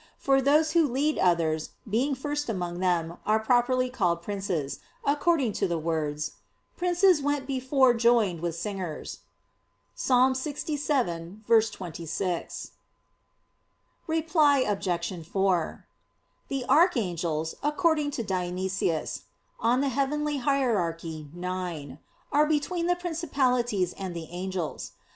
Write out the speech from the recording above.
For those who lead others, being first among them, are properly called "princes," according to the words, "Princes went before joined with singers" (Ps. 67:26). Reply Obj. 4: The "Archangels," according to Dionysius (Coel. Hier. ix), are between the "Principalities" and the "Angels."